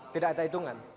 tidak ada hitungan